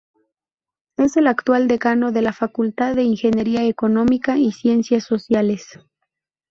Es el actual decano de la Facultad de Ingeniería Económica y Ciencias Sociales.